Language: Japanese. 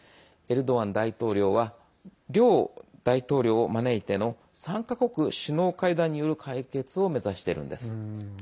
エルドアン大統領は両大統領を招いての３か国首脳会談による解決を目指しているんです。